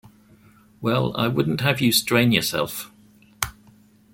Well, I wouldn't have you strain yourself.